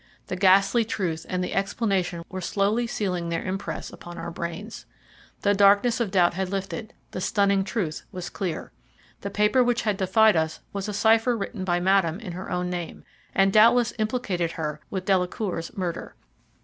The ghastly truth and the explanation were slowly sealing their impress on our brains. The darkness of doubt had lifted, the stunning truth was clear. The paper which had defied us was a cipher written by Madame in her own name, and doubtless implicated her with Delacour's murder.